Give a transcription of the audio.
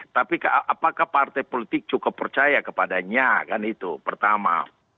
tapi apakah partai politik cukup percaya kepadanya kan itu pertama